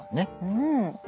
うん。